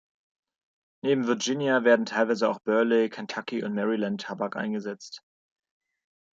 Neben Virginia werden teilweise auch Burley-, Kentucky- und Maryland-Tabak eingesetzt.